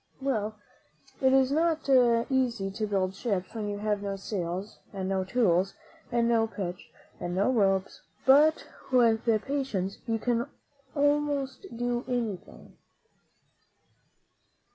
Well, it is not easy to build ships when you have no sails, and no tools, and no pitch, and no ropes; but with patience you can do almost anything.